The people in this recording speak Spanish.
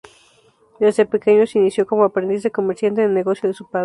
Desde pequeño se inició como aprendiz de comerciante en el negocio de su padre.